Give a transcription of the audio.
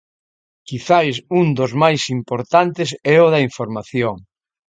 Quizais un dos máis importantes é o da información.